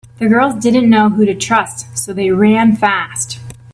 The girls didn’t know who to trust so they ran fast.